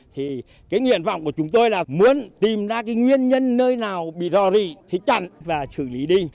thì cái nguyện vọng của chúng tôi là muốn tìm ra cái nguyên nhân nơi nào bị rò rỉ thì chặn và xử lý đi